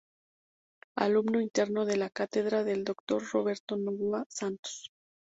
Alumno interno de la Cátedra del Dr. Roberto Novoa Santos.